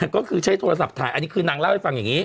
ก็คือใช้โทรศัพท์ถ่ายอันนี้คือนางเล่าให้ฟังอย่างนี้